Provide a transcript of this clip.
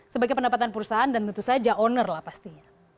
sebagai pendapatan perusahaan dan tentu saja owner lah pastinya